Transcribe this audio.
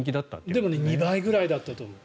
でも２倍ぐらいだったと思う。